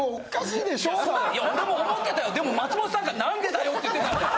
いや俺も思ってたよでも松本さんが「何でだよ」って言ってたんだよ。